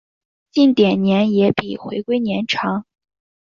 近点年也比回归年长。